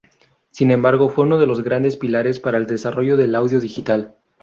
Sin embargo, fue uno de los grandes pilares para el desarrollo del audio digital